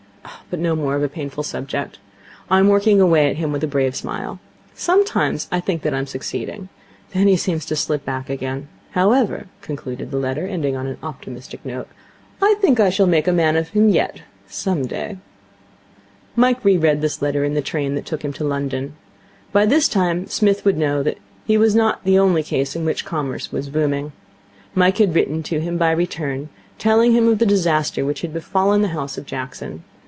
But no more of a painful subject. I am working away at him with a brave smile. Sometimes I think that I am succeeding. Then he seems to slip back again. However,' concluded the letter, ending on an optimistic note, 'I think that I shall make a man of him yet some day.' Mike re read this letter in the train that took him to London. By this time Psmith would know that his was not the only case in which Commerce was booming. Mike had written to him by return, telling him of the disaster which had befallen the house of Jackson.